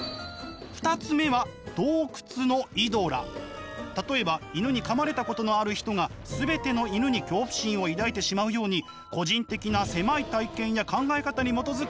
２つ目は例えば犬にかまれたことのある人が全ての犬に恐怖心を抱いてしまうように個人的な狭い体験や考え方に基づく思い込みを指すんです。